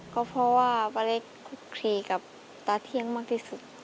ก็เพราะว่าป้าเล็กคุกคลีกับตาเที่ยงมากที่สุด